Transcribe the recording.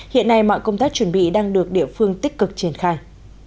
hiện nay mọi công tác chuẩn bị đang được địa phương tích cực triển khai